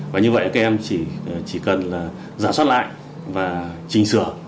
và như vậy các em chỉ cần là giả soát lại và trình sửa